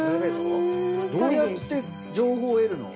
どうやって情報得るの？